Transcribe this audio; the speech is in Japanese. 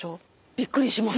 びっくりします。